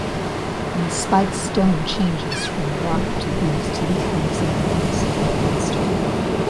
When Spike Stone changes from rock to beast, he becomes a menacing monster!